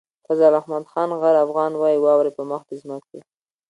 فضل احمد خان غر افغان وايي واورئ په مخ د ځمکې.